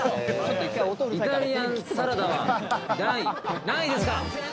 イタリアンサラダは第何位ですか？